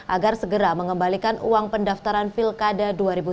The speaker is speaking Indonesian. agar segera mengembalikan uang pendaftaran vilkada dua ribu sepuluh